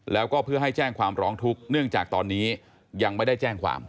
แล้วก็เพื่อให้แจ้งความร้องทุกข์เนื่องจากตอนนี้ยังไม่ได้แจ้งความ